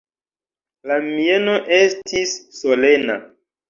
Lia mieno estis solena.